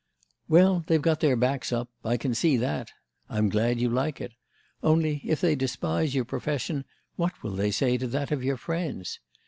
"Well, they've got their backs up, I can see that. I'm glad you like it. Only if they despise your profession what will they say to that of your friends?